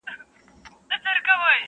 o بډاى ئې له خواره گټي، خوار ئې له بډايه٫